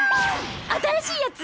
新しいやつ。